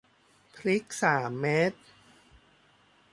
พริกสามเม็ด